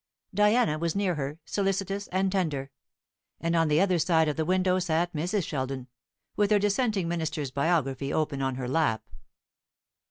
Diana was near her, solicitous and tender; and on the other side of the window sat Mrs. Sheldon, with her Dissenting minister's biography open on her lap.